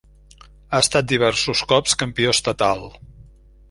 Ha estat diversos cops campió estatal.